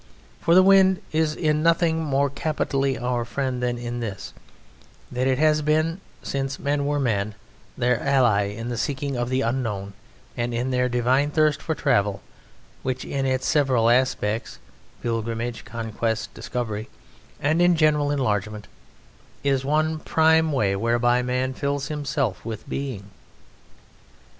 For the wind is in nothing more capitally our friend than in this, that it has been, since men were men, their ally in the seeking of the unknown and in their divine thirst for travel which, in its several aspects pilgrimage, conquest, discovery, and, in general, enlargement is one prime way whereby man fills himself with being.